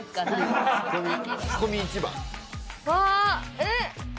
えっ？